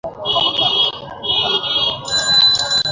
আমি ধীর পায়ে এগিয়ে যাচ্ছি।